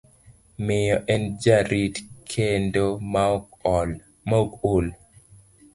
Miyo, en jarit kendo maok ol.